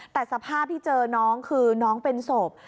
แต่สภาพที่เจอน้องคือน้องเป็นศพ